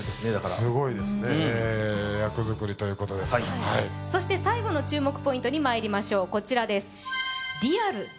すごいですね役作りということですからそして最後の注目ポイントにまいりましょうこちらです